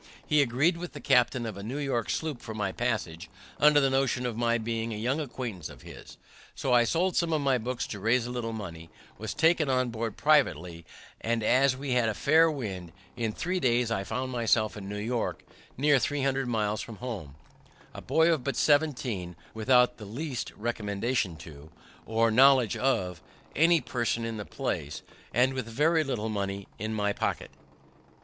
He agreed with the captain of a New York sloop for my passage, under the notion of my being a young acquaintance of his. So I sold some of my books to raise a little money, was taken on board privately, and as we had a fair wind, in three days I found myself in New York, near 300 miles from home, a boy of but 17, without the least recommendation to, or knowledge of, any person in the place, and with very little money in my pocket.